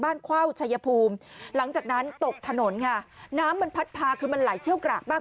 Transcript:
เข้าชายภูมิหลังจากนั้นตกถนนค่ะน้ำมันพัดพาคือมันไหลเชี่ยวกรากมาก